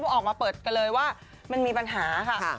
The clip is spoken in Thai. ออกมาเปิดกันเลยว่ามันมีปัญหาค่ะ